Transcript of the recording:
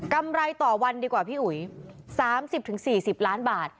ไรต่อวันดีกว่าพี่อุ๋ย๓๐๔๐ล้านบาท